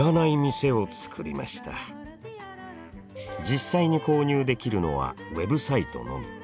実際に購入できるのはＷＥＢサイトのみ。